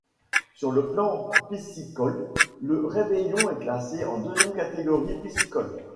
Sur le plan piscicole, le Réveillon est classé en deuxième catégorie piscicole.